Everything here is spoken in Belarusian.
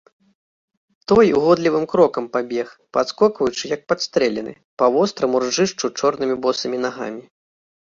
Той угодлівым крокам пабег, падскокваючы, як падстрэлены, па востраму ржышчу чорнымі босымі нагамі.